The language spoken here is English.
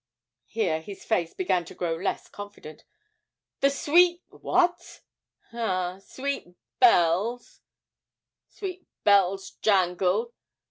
(here his face began to grow less confident) 'the sweet what? ah, sweet bells, sweet bells jangled.